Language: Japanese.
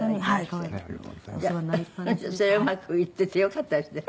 それはうまくいっててよかったですね。